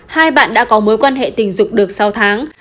hai bạn đã có mối quan hệ tình dục được sáu tháng